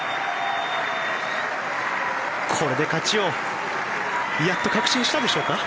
これで勝ちをやっと確信したでしょうか。